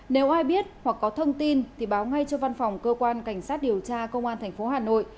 nếu ai biết hoặc có thông tin thì báo ngay cho văn phòng cơ quan cảnh sát điều tra công an tp hà nội